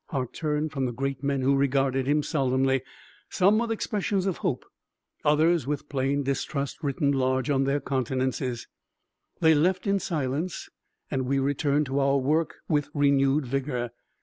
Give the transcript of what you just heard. Hart turned from the great men who regarded him solemnly, some with expressions of hope, others with plain distrust written large on their countenances. They left in silence and we returned to our work with renewed vigor.